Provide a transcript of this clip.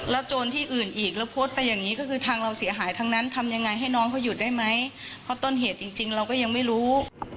โจรที่อื่นอีกแล้วโพสต์ไปอย่างนี้ก็คือทางเราเสียหายทั้งนั้นทำยังไงให้น้องเขาหยุดได้ไหมเพราะต้นเหตุจริงเราก็ยังไม่รู้